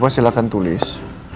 bapak silahkan tulis